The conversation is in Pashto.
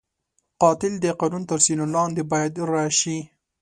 قاتل د قانون تر سیوري لاندې باید راشي